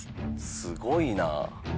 すごいなぁ。